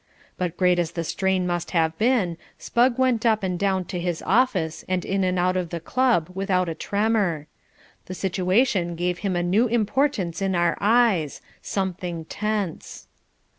But great as the strain must have been, Spugg went up and down to his office and in and out of the club without a tremor. The situation gave him a new importance in our eyes, something tense.